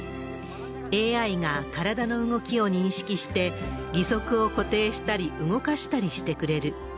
ＡＩが体の動きを認識して、義足を固定したり、動かしたりしてくれる。